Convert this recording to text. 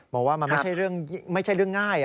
บอกว่ามันไม่ใช่เรื่องง่าย